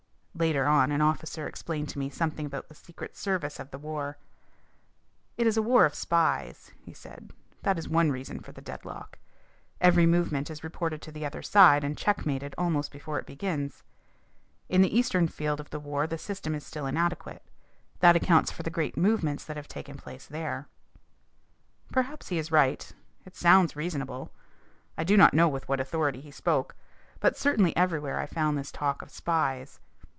Later on an officer explained to me something about the secret service of the war. "It is a war of spies," he said. "That is one reason for the deadlock. Every movement is reported to the other side and checkmated almost before it begins. In the eastern field of war the system is still inadequate; that accounts for the great movements that have taken place there." Perhaps he is right. It sounds reasonable. I do not know with what authority he spoke. But certainly everywhere I found this talk of spies.